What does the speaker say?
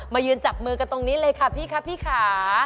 ยืนจับมือกันตรงนี้เลยค่ะพี่คะพี่ค่ะ